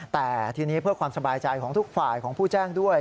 แต่ทีนี้เพื่อความสบายใจของทุกฝ่ายของผู้แจ้งด้วย